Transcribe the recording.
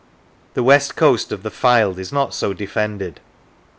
The west coast of the Fylde is not so defended.